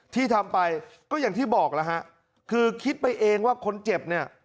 ที่ทำไปก็อย่างที่บอกแล้วฮะคือคิดไปเองว่าคนเจ็บเนี่ย